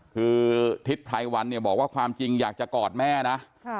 คือทิชไพรวันบอกว่าอยากจะกอดแม่นะ